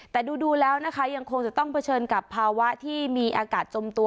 แต่ดูแล้วนะคะยังคงจะต้องเผชิญกับภาวะที่มีอากาศจมตัว